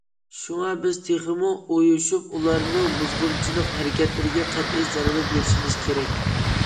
شۇڭا بىز تېخىمۇ ئۇيۇشۇپ، ئۇلارنىڭ بۇزغۇنچىلىق ھەرىكەتلىرىگە قەتئىي زەربە بېرىشىمىز كېرەك.